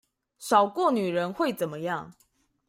少過女人會怎麼樣？